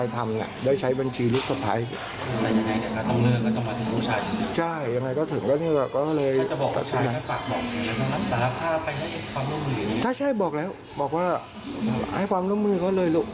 ถ้าใช่บอกแล้วบอกว่าให้ความร่วมมือเขาเลยลูก